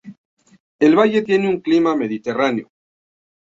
El valle tiene un clima mediterráneo.